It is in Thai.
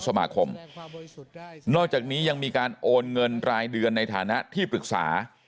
สมาคมนอกจากนี้ยังมีการโอนเงินรายเดือนในฐานะที่ปรึกษา